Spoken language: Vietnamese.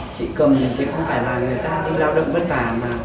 chị cầm thì chị không phải là người ta đi lao động vất vả mà